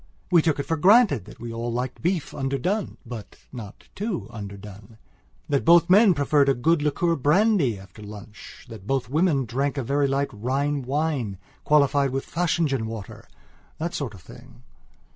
We took for granted that we all liked beef underdone but not too underdone; that both men preferred a good liqueur brandy after lunch; that both women drank a very light Rhine wine qualified with Fachingen waterthat sort of thing.